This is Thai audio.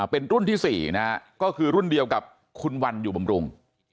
เป็นรุ่นที่๔นะฮะก็คือรุ่นเดียวกับคุณวันอยู่บำรุง